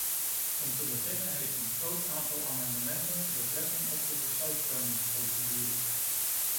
Om te beginnen heeft een groot aantal amendementen betrekking op de besluitvormingsprocedure.